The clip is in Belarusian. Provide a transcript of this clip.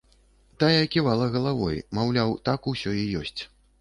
Тая ківала галавой, маўляў, так усё і ёсць.